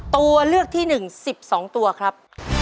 ตัวเลือกที่๑๑๒ตัวครับ